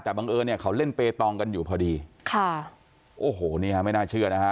แต่บังเอิญเนี่ยเขาเล่นเปตองกันอยู่พอดีค่ะโอ้โหนี่ฮะไม่น่าเชื่อนะฮะ